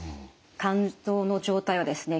肝臓の状態はですね